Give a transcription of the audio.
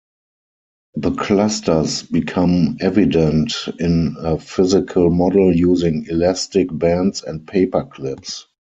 The clusters become evident in a physical model using elastic bands and paper clips.